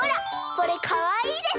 これかわいいでしょ？